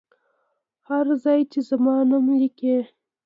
هر ځای چې زما نوم لیکلی.